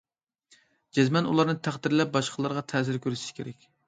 جەزمەن ئۇلارنى تەقدىرلەپ، باشقىلارغا تەسىر كۆرسىتىش كېرەك.